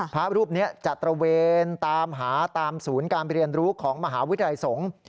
พระรูปนี้จะตระเวนตามหาตามศูนย์การเรียนรู้ของมหาวิทยาลัยสงฆ์